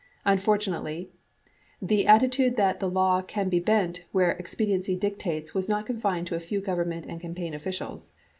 Unfortunately, the attitude that the law can be bent where expediency dictates was not confined to a few Government and campaign officials.